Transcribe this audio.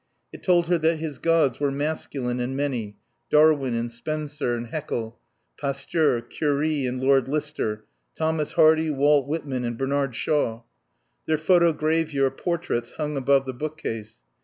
It told her that his gods were masculine and many Darwin and Spencer and Haeckel, Pasteur, Curie and Lord Lister, Thomas Hardy, Walt Whitman and Bernard Shaw. Their photogravure portraits hung above the bookcase.